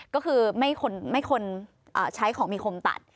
ก็คือไม่ควรใช้ของมีคมตัด